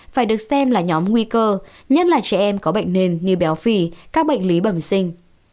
phải được xem là nhóm nguy cơ nhất là trẻ em có bệnh nền như béo phì các bệnh lý bẩm sinh